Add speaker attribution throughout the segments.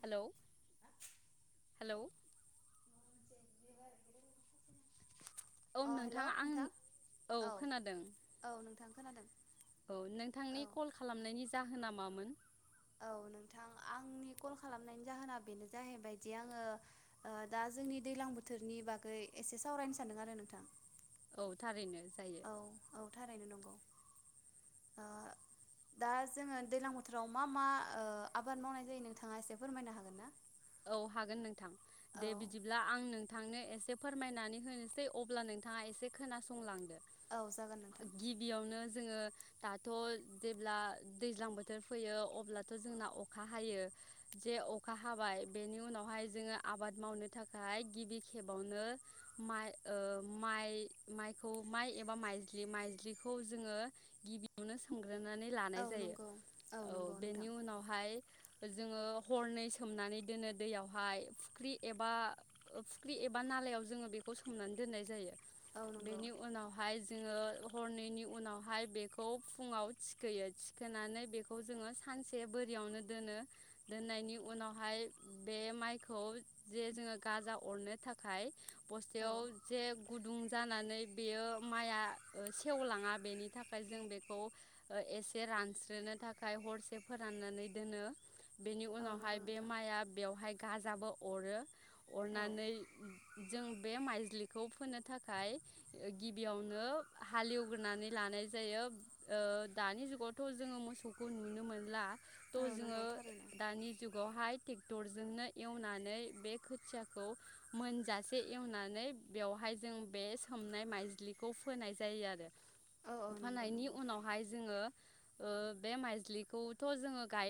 Speaker 1: Hello hello
Speaker 2: [inaudible]
Speaker 1: औ
Speaker 2: अ hello
Speaker 1: नोंथाङा आं
Speaker 2: नोंथां
Speaker 1: औ खोनादों।
Speaker 2: औ नोंथां खोनादों
Speaker 1: औ नोंथांनि
Speaker 2: औ
Speaker 1: कल खालामनायनि जाहोना मामोन?
Speaker 2: औ नोंथां आंनि कल खालामनायनि जाहोना बेनो जाहैबायदि आङो ओ दा जोंनि दैलां बोथोरनि बागै एसे सावरायनो सानदों आरो नोंथां।
Speaker 1: औ थारैनो जायो।
Speaker 2: औ औ थारैनो नंगौ ओ दा जोङो दैलां बोथोराव मा मा ओ आबाद मावनाय जायो नोंथाङा एसे फोरमायनो हागोन ना?
Speaker 1: औ हागोन नोंथां
Speaker 2: औ
Speaker 1: दे बिदिब्ला आं नोंथांनो ए एसे फोरमायनानै होनोसै अब्ला नोंथाङा एसे खोनासंलांदो।
Speaker 2: औ जागोन नोंथां
Speaker 1: जोंङो दाथ' जेब्ला दैज्लां बोथोर फैयो अब्लाथ' जोंना अखा हायो जे अखा हाबाय बेनि उनावहाय जोंङो आबाद मावनो थाखाय गिबि खेबावनो मा ओ माइ माइखौ माइ एबा माइज्लि माइज्लिखौ जोंङो गिबियावनो सोम ग्रोनानै लानाय
Speaker 2: औ
Speaker 1: जायो
Speaker 2: नंगौ
Speaker 1: औ
Speaker 2: नंगौ
Speaker 1: बेनि
Speaker 2: नोंथां
Speaker 1: उनावहाय जोंङो हरनै सोमनानै दोनो दैयावहाय फुख्रि एबा फुख्रि एबा नालायाव जोङो बेखौ सोमनानै दोननाय जायो।
Speaker 2: औ नंगौ
Speaker 1: बेनि उनावहाय जो जोङो हरनैनि उनावहाय बेखौ फुङाव थिखोयो थिखोनानै बेखौ जोङो सानसे बोरियावनो दोनो दोननायनि उनावहाय बे माइखौ जे जोङो गाजा अरनो थाखाय
Speaker 2: औ
Speaker 1: बस्थायाव जे गुदुं जानानै बेयो माइआ ओ सेवलाङा बेनि थाखाय जों बेखौ एसे रानस्रोनो थाखाय हरसे फोराननानै दोनो। बेनि
Speaker 2: औ नंगौ
Speaker 1: उनावहाय बे
Speaker 2: नोंथां
Speaker 1: माइआ हाय गाजाबो अरो
Speaker 2: औ
Speaker 1: अरनानै जों बे माइज्लिखौ फोनो थाखाय गिबियावनो हाल एवग्रोनानै लानाय जायो ओ दानि जुगावथ' जोङो मोसौखौ नुनो मोनला थ'
Speaker 2: औ
Speaker 1: जोङो
Speaker 2: नंगौ थारैनो
Speaker 1: दानि जुगावहाय टरजोंनो एवनानै बे खोथियाखौ मोनजासे एवनानै बेवहाय जों बे सोमनाय माइज्लिखौ फोनाय जायो आरो।
Speaker 2: औ औ नंगौ
Speaker 1: फोनायनि
Speaker 2: नंगौ
Speaker 1: उनावहाय जोङो ओ बे माइज्लिखौथ' जोङो गाय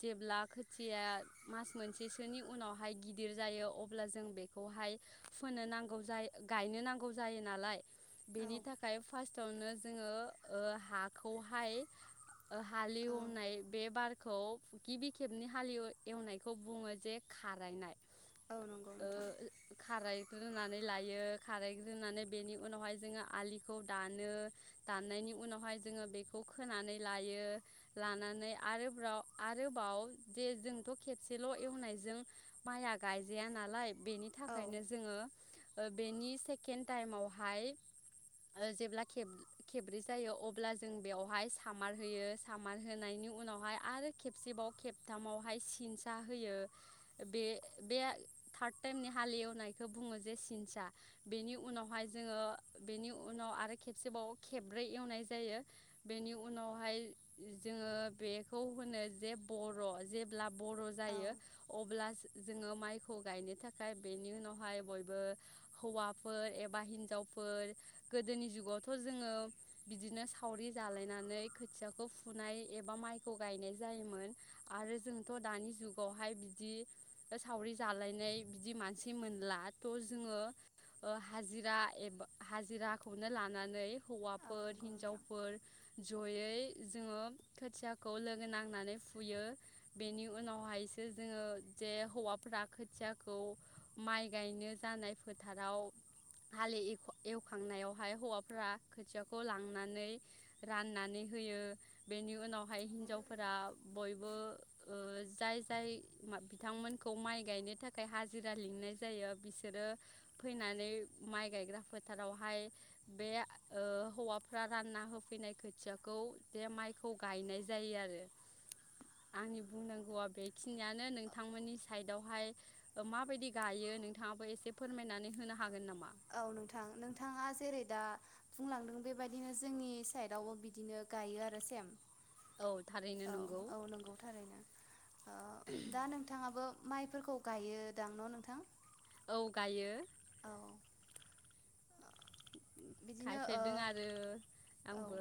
Speaker 1: जेब्ला खोथिया मास मोनसेसोनि उनावहाय गिदिर जायो अब्ला जों बेखौहाय फोनो नांगौ जाय गायनो नांगौ जायो नालाय
Speaker 2: औ
Speaker 1: बेनि थाखाय फार्स थनो जोङो ओ हाखौहाय हाल
Speaker 2: औ
Speaker 1: एवनाय बे बारखौ गिबि खेबनि हाले एव एवनायखौ बुङो जे खारायनाय
Speaker 2: औ नंगौ
Speaker 1: ओ
Speaker 2: नोंथां
Speaker 1: खारायग्रोनानै लायो खारायग्रोनानै बेनि उनावहाय जोङो आलिखौ दानो दाननायनि उनावहाय जोङो बेखौ खोनानै लायो लानानै आरोब्राव आरोबाव जे जों थ खेबसेल एवनायजों माइआ गायजाया नालाय बेनि
Speaker 2: औ
Speaker 1: थाखायनो जोङो ओ बेनि सेकेड टाइमावहाय ओ जेब्ला खेब-खेब्रै जायो अब्ला जों बेयावहाय सामार होयो सामार होनायनि उनावहाय आरो खेबसेबाव खेबथामावहाय सिनसा होयो बे बे थार्द टाइमनि हाल एवनायखौ बुङो जे सिनसा बेनि उनावहाय जोङ बेनि उनाव आरो खेबसेबाव खेब्रै एवनाय जायो बेनि उनावहाय जोङो बेखौ होनो जे बर जेब्ला बर'
Speaker 2: औ
Speaker 1: जायो अब्ला जोङो माइखौ गायनो थाखाय बेनि उनावहाय बयबो हौवाफोर एबा हिनजावफोर गोदोनि जुगावथ' जोङो बिदिनो सावरि जालायनानै खोथियाखौ फुनाय एबा माइखौ गायनाय जायोमोन आरो जों थ दानि जुगावहाय बिदि सावरि जालायनाय बिदि मानसि मोनला थ' जोङो हाजिरा एबा हाजिराखौनो लानानै
Speaker 2: औ
Speaker 1: हौवाफोर
Speaker 2: नंगौ नोंथां
Speaker 1: हिनजावफोर जयै जोङो खोथियाखौ लोगो नांनानै फुयो। बेनि उनावहायसो जोङो जे हौवाफोरा खोथियाखौ माइ गायनो जानाय फोथाराव हाल एवखांनायावहाय हौवाफ्रा खोथियाखौ लांनानै राननानै होयो बेनि उनावहाय हिनजावफोरा बयबो जाय जाय बिथांमोनखौ माइ गायनो थाखाय ओ हाजिरा लिंनाय जायो बिसोरो फैनानै माइ गायग्रा फोथारावहाय बे हौवाफ्रा रानना होफैनाय खोथियाखौ बेे माइखौ गायनाय जायो आरो आंनि बुंनांगौआ बेखिनियानो नोंथांमोननि साइडआवहाय माबायदि गायो नोंथाङाबो एसे फोरमायनानै होनो हागोन नामा?
Speaker 2: औ नोंथां नोंथाङा जेरै दा बुंलांदों बेबायदिनो जोंनि साइदआवबो बिदिनो गायो आरो सेम
Speaker 1: औ थारैनो
Speaker 2: औ
Speaker 1: नंगौ
Speaker 2: औ नंगौ थारैनो ओ दा नोंथाङाबो माइफोरखौ गायोदां न नोंथां
Speaker 1: औ गायो
Speaker 2: औ बिदिनो ओ
Speaker 1: गायफेरदों आरो
Speaker 2: औ
Speaker 1: आंबो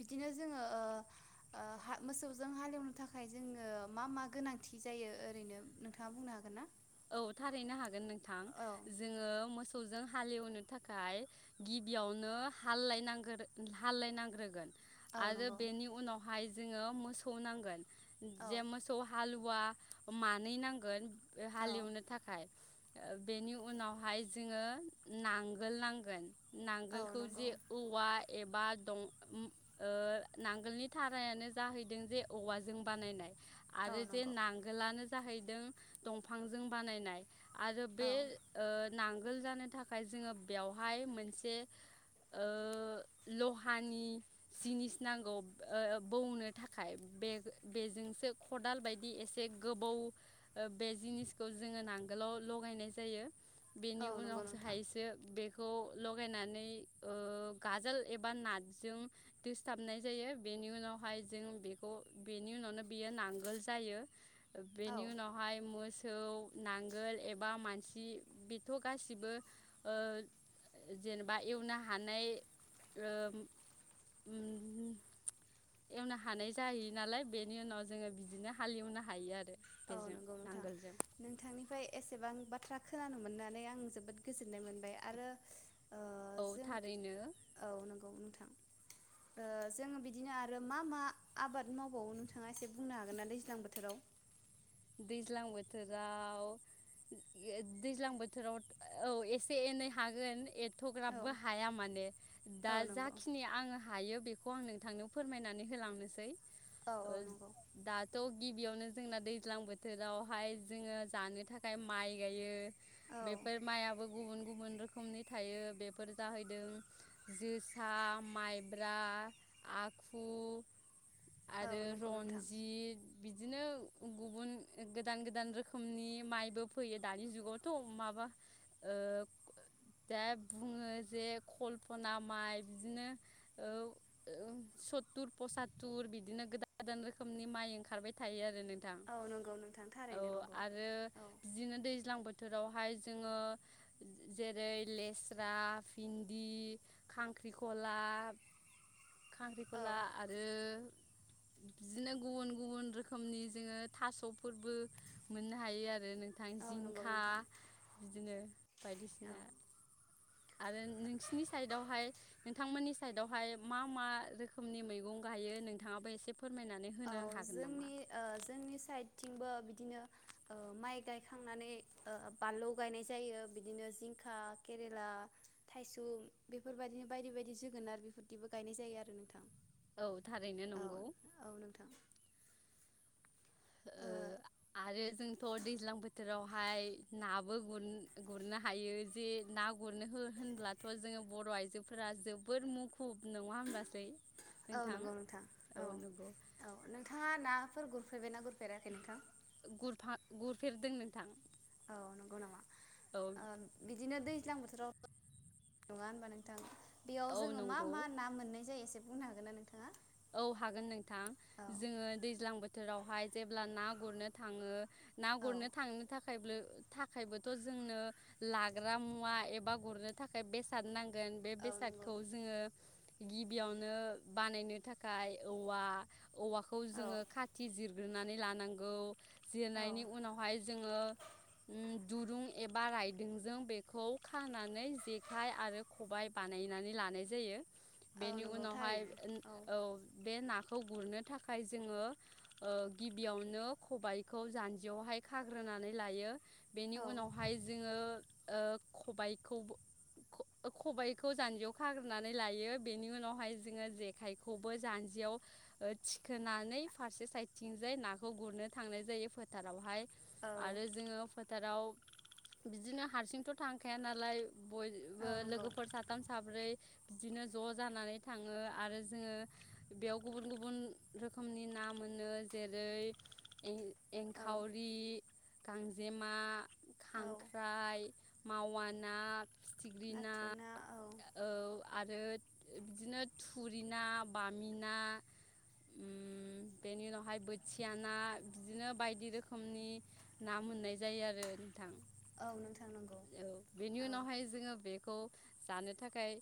Speaker 2: बिदिनो जोङो ओ हा मोसौजों हालेवनो थाखाय जोङो मा मा गोनांथि जायो ओरैनो नोंथाङा बुंनो हागोन ना?
Speaker 1: औ थारैनो हागोन नोंथां
Speaker 2: औ
Speaker 1: जोङो मोस मोसौजों हालेवनो थाखाय गिबियावनो हाललाय नांग्रो हाललायनांग्रोगोन।
Speaker 2: औ
Speaker 1: आरो
Speaker 2: नंगौ
Speaker 1: बेनि उनावहाय जोङो मोसौ नांगोन
Speaker 2: औ
Speaker 1: जे मोसौ हालु वा मानै नांगोन बे
Speaker 2: औ
Speaker 1: हालेवनो थाखाय बेनि उनावहाय जोङो नांगोल नांगोन।
Speaker 2: औ
Speaker 1: नांगोलखौ
Speaker 2: नंगौ
Speaker 1: जे औवा एबा दं ओम ओ नांगोलनि थारायानो जाहैदों जे औवाजों बानायनाय।
Speaker 2: औ
Speaker 1: आरो जे
Speaker 2: नंगौ
Speaker 1: नांगोलानो जाहैदों दंफांजों बानायनाय आरो
Speaker 2: औ
Speaker 1: बे ओ नांगोल जानो थाखाय जोङो बेवहाय मोनसे ओ लहानि जिनिस नांगौ ओ बौनो थाखाय बे-बेजोंसो खदाल बायदि एसे गोबौ बे जिनिसखौ जोङो नांगोलाव लगायनाय जायो बेनि
Speaker 2: औ नंगौ
Speaker 1: उनावसो
Speaker 2: नोंथां
Speaker 1: हायसो बे खौ लगायनानै ओ गाजोल एबा नाथजों दोसथाबनाय जायो बेनि उनावहाय जों बेखौ बेनि उनावनो बियो नांगोल जायो
Speaker 2: औ
Speaker 1: बेनि उनाव माय मोसौ नांगोल एबा मानसि बेथ' गासिबो ओ जेनेबा एवनो हानाय ओ उम एवनो हानाय जाहैयो नालाय बेनि उनाव जोङो बिदिनो हाल एवनो हायो आरो।
Speaker 2: औ
Speaker 1: बेजों
Speaker 2: नंगौ नों नोंथां
Speaker 1: नांगोलजों
Speaker 2: नोंथांनिफ्राय एसेबां आं बाथ्रा खोनानो मोननानै आं जोबोद गोजोननाय मोनबाय आरो ओ
Speaker 1: औ
Speaker 2: जों
Speaker 1: थारैनो
Speaker 2: औ नंगौ नोंथां ओ जोङो बिदिनो आरो मा मा आबाद मावबावो नोंथाङा एसे बुंनो हागोन ना दैज्लां बोथोराव?
Speaker 1: दैज्लां बोथोराव दैज्लां बोथोराव औ एसे एनै हागोन एद
Speaker 2: औ
Speaker 1: थ'ग्राबबो हाया माने दा
Speaker 2: औ नंगौ
Speaker 1: जाखिनि आङो हायो बेखौ खौ आं नोंथांनो फोरमायनानै होलांनोसै।
Speaker 2: औ औ
Speaker 1: ओ
Speaker 2: नंगौ
Speaker 1: दाथ गिबियावनो जोंना दै ज्लां बोथोरावहाय जोङो जानो थाखाय माइ गायो।
Speaker 2: औ
Speaker 1: बेफोर माइआबो गुबुन गुबुन रोखोमनि थायो बेफोर जाहैदों जोसा, माइब्रा, आखु
Speaker 2: औ
Speaker 1: आरो
Speaker 2: नंगौ नोंथां
Speaker 1: रनजित। बिदिनो गुबुन गोदान गोदान रोखोमनि माइबो फैयो दानि जुगावथ' माबा ओ दा बुङो जे कल्पना माइ बिदिनो ओ सत्तुर पसातुर बिदिनो गोदान गोदान रोखोमनि माइ ओंखारबाय थायो आरो नों थां
Speaker 2: औ नंगौ नोंथां
Speaker 1: औ
Speaker 2: थारैनो नंगौ
Speaker 1: आरो
Speaker 2: औ
Speaker 1: बिदिनो दैज्लां बोथोर बोथोरावहाय जोङो जेरै लेस्रा भिन्दि खांख्रिखला।
Speaker 2: औ
Speaker 1: खांख्रिखला आरो बिदिनो गुबुन गुबुन रोखोमनि। जोङो थास'फोरबो मोननो हायो आरो नों थां
Speaker 2: औ नंगौ
Speaker 1: जिंखा
Speaker 2: नोंथां
Speaker 1: बिदिनो
Speaker 2: औ
Speaker 1: बायदिसिना। आरो नोंसिनि साइडआवहाय नोंथांमोननि साइडआवहाय मा मा रोखोमनि मैगं गायो नोंथाङाबो एसे फोरमायनानै
Speaker 2: औ
Speaker 1: होनो हागोन नामा?
Speaker 2: जोंनि ओ जोंनि साइडथिंबो बिदिनो ओ माइ गायखांनानै ओ बानलु गायनाय जायो बिदिनो जिंखा केरेला थायसुम बेफोरबादिनो बायदि बायदि जोगोनार बेफोरदिबो गायनाय जायो आरो नोंथां
Speaker 1: औ थारैनो
Speaker 2: औ
Speaker 1: नंगौ
Speaker 2: औ नोंथां
Speaker 1: ओ आरो जोंथ दैज्लां बोथोरावहाय नाबो गुर-गुरनो हायो जे ना गुरनो होनब्ला जोङो बर आइजोफोरा जोबद मु खुब नङा होनब्लासै
Speaker 2: औ
Speaker 1: नोंथां
Speaker 2: नंगौ नोंथां
Speaker 1: औ नंगौ।
Speaker 2: औ नोंथाङा नाफोर गुरफेरबायना गुर फेराखै नोंथां
Speaker 1: गुरफा गुरफेरदों नोंथां।
Speaker 2: औ नंगौ नामा?
Speaker 1: औ
Speaker 2: बिदिनो दैज्लां बोथोर। बोथोरावथ नङा होनबा नोंथां? बेयाव
Speaker 1: औ
Speaker 2: जोङो मा
Speaker 1: नंगौ
Speaker 2: मा ना मोननाय जायो एसे बुंनो हागोन ना नोंथां?
Speaker 1: औ हागोन नोंथां जोङो दैज्लां बोथोरावहाय जेब्ला ना गुरनो थाङो ना
Speaker 2: औ
Speaker 1: गुरनो थांनो थाखा। थाखायब्लो थाखायबोथ जोंनो लाग्रा मुवा एबा गुरनो थाखाय बेसाद नां गोन बे
Speaker 2: औ नंगौ
Speaker 1: बेसादखौ जोङो गिबियावनो बानायनो था आखाय औवा औवाखौ
Speaker 2: औ
Speaker 1: जोङो खाथि जिरग्रोनानै लानांगौ।
Speaker 2: औ
Speaker 1: जिरनायनि उनावहाय जोंङो ओम। दुरुं एबा रायदोंजों बेखौ खानानै जेखाइ आरो खबाइ बानायनानै लानाय जायो दु
Speaker 2: औ
Speaker 1: बेनि
Speaker 2: नंगौ
Speaker 1: उनावहाय
Speaker 2: थारैनो
Speaker 1: ओन
Speaker 2: औ
Speaker 1: बे नाखौ गुरनो थाखाय जोङो ओ गिबियावनो खबाइखौ जान्जियावहाय खाग्रोनानै लायो। बेनि
Speaker 2: औ
Speaker 1: उनावहाय जोङो ओ खबायखौबो ख-खबायखौ जान्जियाव खाग्रोनानै लायो बेनि उनावहाय जोंङो जेखाय खौबो जान्जियाव थिखोनानै फारसे साइदथिंजाय नाखौ गुरनो थांनाय जायो फोथारावहाय।
Speaker 2: औ
Speaker 1: आरो जोङो फोथाराव बिदिनो हारसिंथ' थांखाया नालाय
Speaker 2: औ
Speaker 1: बयबो
Speaker 2: नंगौ
Speaker 1: लोगोफोर साथाम साब्रै बिदिनो ज' जानानै थाङो आरो जोङो बेयाव गुबुन गुबुन रोखोमनि ना मोनो जेरै एं-
Speaker 2: औ
Speaker 1: एंखावरि, गांजेमा,
Speaker 2: औ
Speaker 1: खांख्राइ, मावा ना
Speaker 2: नाथुर ना औ।
Speaker 1: औ आरो बिदिनो थुरि ना बामि ना ओम बेनि उनावहाय बोथिया ना बिदिनो बायदि रोखोमनि ना मोननाय जायो आरो नोंथां।
Speaker 2: नोंथां नंगौ
Speaker 1: औ बेनि
Speaker 2: औ
Speaker 1: उनावहाय जोङो बे [unintelligible] जानो थाखाय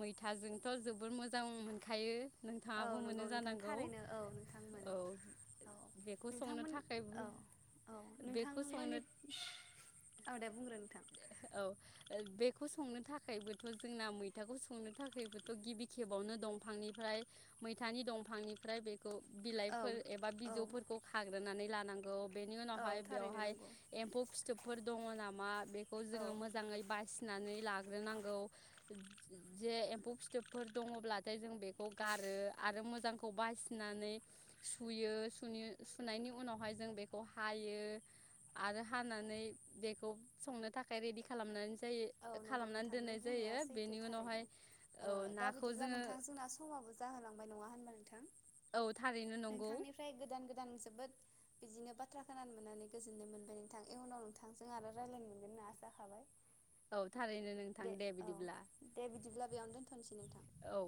Speaker 1: मैथाजोंथ' जोबोर मोजां मोनखायो।
Speaker 2: औ
Speaker 1: नोंथाङाबो
Speaker 2: नंगौ
Speaker 1: मोनो
Speaker 2: नोंथां
Speaker 1: जानांगौ
Speaker 2: थारैनो औ नोंथां मोनो
Speaker 1: औ
Speaker 2: औ
Speaker 1: बेखौ संनो
Speaker 2: नोंथांमोन
Speaker 1: थाखाय
Speaker 2: औ औ
Speaker 1: बेखौ संनो
Speaker 2: नोंथांमोननि औ दे बुंग्रो नोंथां।
Speaker 1: खौ संनो था थाखायबोथ' जोंना मैथाखौ संनो थाखायबोथ' गिबि खेबावनो दंफांनिफ्राय मैथानि दंफांनिफ्राय बे औ
Speaker 2: औ
Speaker 1: बिलाइफोर एबा
Speaker 2: औ
Speaker 1: बिजौफोरखौ खाग्रोनानै ला नांगौ। बेनि
Speaker 2: औ
Speaker 1: उनावहाय
Speaker 2: थारैनो
Speaker 1: बेवहाय
Speaker 2: नंगौ
Speaker 1: एम्फौ फिथोबफोर दङ नामा? मा बेखौ
Speaker 2: औ
Speaker 1: जोङो मोजाङै बासिनानै ला नांगौ जे एम्फौ फिथोबफोर दङब्लाथाय जों बेखौ गारो आरो मोजांखौ बासिनानै सुयो सुनायनि उनाव हाय जों बेखौ हायो आरो हानानै बेखौ संनो थाखाय रेदि खालामनानै जायो
Speaker 2: औ। नंगौ
Speaker 1: खालामनानै
Speaker 2: नोंथां नों
Speaker 1: दोननाय
Speaker 2: बुंनाया
Speaker 1: जायो
Speaker 2: सैथो
Speaker 1: बेनि उनावहाय
Speaker 2: थारैनो ओ
Speaker 1: औ
Speaker 2: दा
Speaker 1: नाखौ
Speaker 2: बिदिब्ला
Speaker 1: जोङो
Speaker 2: नोंथां जोंना समाबो जाहोलांबाय नङा होनबा नोंथां
Speaker 1: औ थारैनो नंगौ
Speaker 2: नोंथांनिफ्राय गोदान गोदान जोबोद बिदिनो बाथ्रा खोनानो मोननानै गोजोननो मोनबाय नोंथां इयुनाव नोंथांजों आरो रायज्लायनो मोनगोन होनना आसा खाबाय।
Speaker 1: औ थारैनो नोंथां दे बिदिब्ला।
Speaker 2: दे बिदिब्ला बेयावनो दोनथ'नोसै
Speaker 1: औ।